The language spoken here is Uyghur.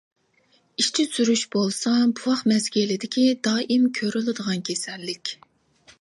ئىچى سۈرۈش بولسا بوۋاق مەزگىلىدىكى دائىم كۆرۈلىدىغان كېسەللىك.